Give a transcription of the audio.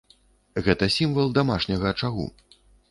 Гэта сімвал дамашняга ачагу.